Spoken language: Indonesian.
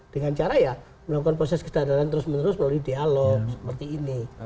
dengan cara ya melakukan proses kesadaran terus menerus melalui dialog seperti ini